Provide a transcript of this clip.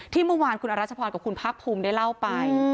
เมื่อวานคุณอรัชพรกับคุณภาคภูมิได้เล่าไป